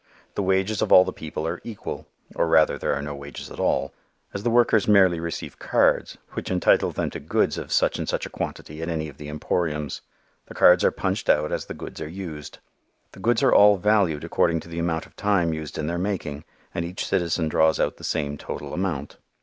The wages of all the people are equal; or rather there are no wages at all, as the workers merely receive cards, which entitle them to goods of such and such a quantity at any of the emporiums. The cards are punched out as the goods are used. The goods are all valued according to the amount of time used in their making and each citizen draws out the same total amount.